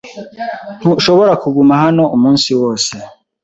Ntushobora kuguma hano umunsi wose.